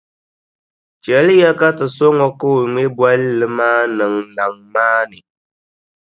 Chɛliya ka ti sɔŋ o ka o ŋme bolli maa niŋ laŋ maa ni.